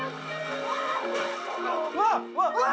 うわうわ！